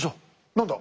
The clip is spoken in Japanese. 何だ。